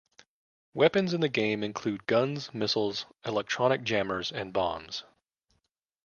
Weapons in the game include guns, missiles, electronic jammers, and bombs.